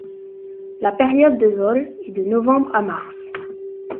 La période de vol est de novembre à mars.